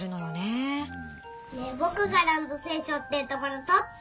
ねえぼくがランドセルしょってるところとって。